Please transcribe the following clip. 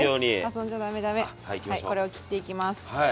これを切っていきます。